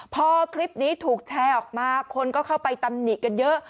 พอคลิปนี้ถูกแชร์ออกมาคนก็เข้าไปตำหนิกันเยอะ